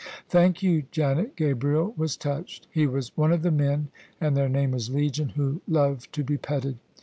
"Thank you, Janet." Gabriel was touched. He was one of the men — ^and their name is Legion — ^who love to be petted.